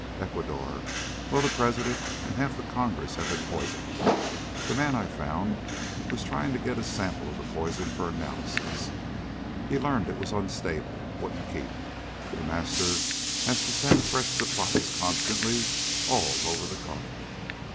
Ecuador well, the President and half of Congress have been poisoned. The man I found was trying to get a sample of the poison for analysis. He'd learned it was unstable. Wouldn't keep. The Master has to send fresh supplies constantly all over the continent.